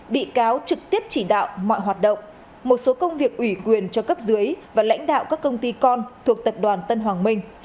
bị cáo trực tiếp chỉ đạo mọi hoạt động một số công việc ủy quyền cho cấp dưới và lãnh đạo các công ty con thuộc tập đoàn tân hoàng minh